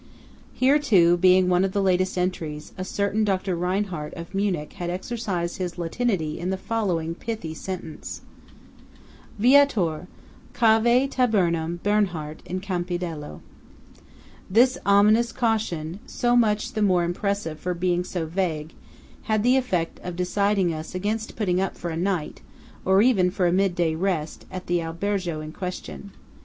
Here too, being one of the latest entries, a certain Dr. Reinhart of Munich had exercised his Latinity in the following pithy sentence :– Viator! Cave Tabernum Bernhart in Campidello! " This ominous caution–so much the more impressive for being so vague–had the effect of deciding us against putting up for a night, or even for a midday rest, at the albergo in question.